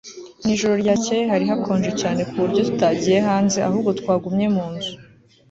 Mu ijoro ryakeye hari hakonje cyane ku buryo tutagiye hanze ahubwo twagumye mu nzu